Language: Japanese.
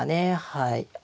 はい。